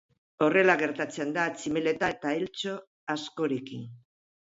Horrela gertatzen da tximeleta edo eltxo askorekin.